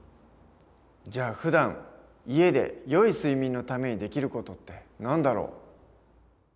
じゃあふだん家でよい睡眠のためにできる事って何だろう？